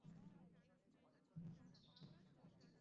তিনি প্রথম শ্রেণি লাভ করেন।